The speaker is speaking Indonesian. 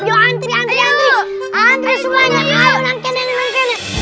yang teriak teriak teriak teriak semuanya ayo langsung